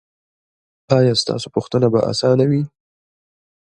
ایا ستاسو پوښتنه به اسانه وي؟